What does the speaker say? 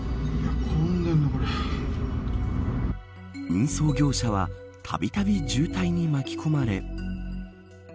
運送業者はたびたび渋滞に巻き込まれ。